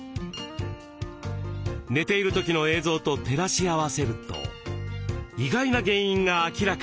寝ている時の映像と照らし合わせると意外な原因が明らかに。